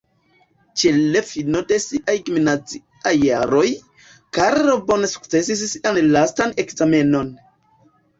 Ĉe l' fino de siaj gimnaziaj jaroj, Karlo bone sukcesis sian lastan ekzamenon.